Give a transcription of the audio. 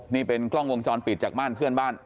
นี่เป็นกล้องวงจรปิดจากบ้านเพื่อนบ้าน